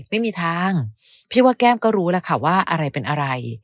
ไม่มีทางพี่ว่าแก้มก็รู้แล้วค่ะว่าอะไรเป็นอะไร